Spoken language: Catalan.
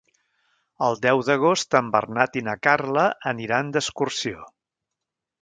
El deu d'agost en Bernat i na Carla aniran d'excursió.